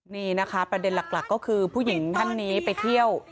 นี่นะคะประเด็นหลักก็คือผู้หญิงท่านนี้ไปเที่ยว